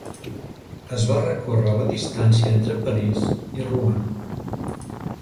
Es va recórrer la distància entre París i Rouen.